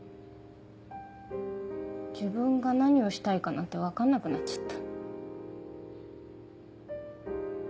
自分が何をしたいかなんて分かんなくなっちゃった。